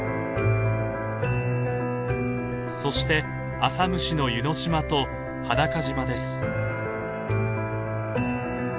そして浅虫の湯の島と裸島です。